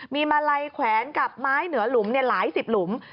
มีมาลัยแขวนกับไม้เหนือหลุมหลายสิบหลุม